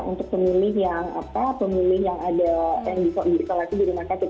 untuk pemilih yang ada yang diisolasi di rumah sakit